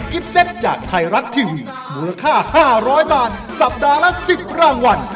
ค่า๕๐๐บาทสัปดาห์ละ๑๐รางวัน